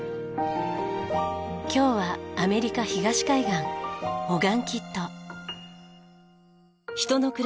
今日はアメリカ東海岸オガンキット。